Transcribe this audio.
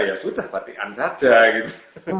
ya sudah batik an saja gitu